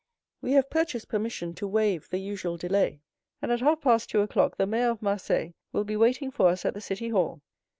We have purchased permission to waive the usual delay; and at half past two o'clock the Mayor of Marseilles will be waiting for us at the city hall.